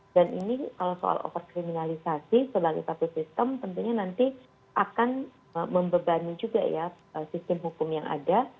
dan ini kalau soal overkriminalisasi sebagai satu sistem tentunya nanti akan membebani juga ya sistem hukum yang ada